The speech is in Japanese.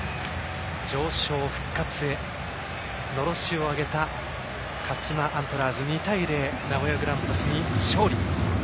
常勝復活へのろしを上げた鹿島アントラーズ２対０、名古屋グランパスに勝利。